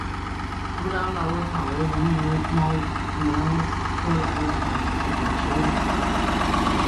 鼠掌老鹳草为牻牛儿苗科老鹳草属的植物。